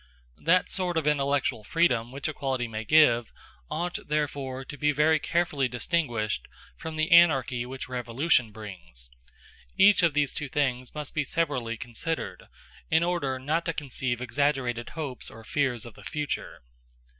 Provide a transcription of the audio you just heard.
That sort of intellectual freedom which equality may give ought, therefore, to be very carefully distinguished from the anarchy which revolution brings. Each of these two things must be severally considered, in order not to conceive exaggerated hopes or fears of the future.